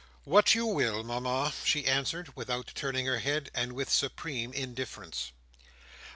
"What you will, Mama," she answered, without turning her head, and with supreme indifference.